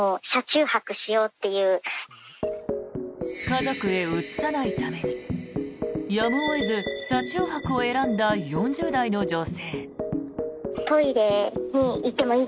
家族へうつさないためにやむを得ず車中泊を選んだ４０代の女性。